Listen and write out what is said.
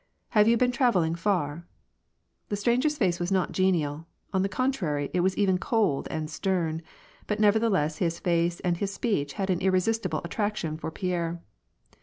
Have you been traveling far ?" The stranger's face was not genial : on the contrary, it was even cold and stem ; but, nevertheless, his face and his speech had an irresistible attraction for Pieri e.